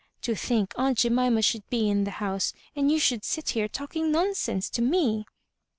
To think aunt Jemima should be in the house, and you should sit here talking nonsense to me!"